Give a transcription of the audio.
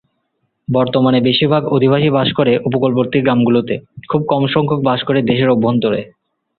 বর্তমানে বেশির ভাগ অধিবাসী বাস করে উপকূলবর্তী গ্রামগুলোতে, খুব কম সংখ্যক বাস করে দেশের অভ্যন্তরে।